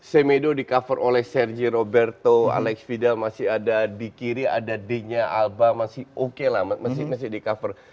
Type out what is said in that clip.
semedo di cover oleh sergi roberto alex fidel masih ada di kiri ada d nya alba masih oke lah masih di cover